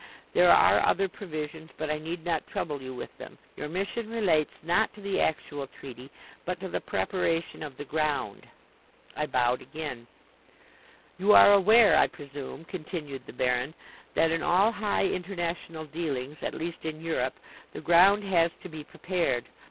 There are other provisions, but I need not trouble you with them. Your mission relates, not to the actual treaty, but to the preparation of the ground." I bowed again. "You are aware, I presume," continued the Baron, "that in all high international dealings, at least in Europe, the ground has to be prepared.